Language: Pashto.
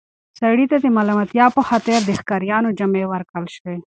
سړي ته د ملامتیا په خاطر د ښکاریانو جامې ورکړل شوې.